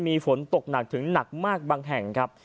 มีฝนตกหนักถึงหนักมากบางแห่งครับ